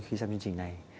khi xem chương trình này